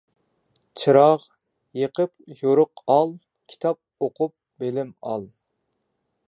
چىراغ يېقىپ يورۇق ئال، كىتاب ئوقۇپ بىلىم ئال.